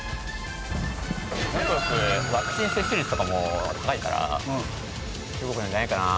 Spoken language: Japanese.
中国ワクチン接種率とかも高いから中国なんじゃないかな。